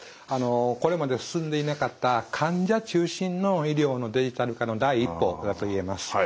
これまで進んでいなかった患者中心の医療のデジタル化の第一歩だといえます。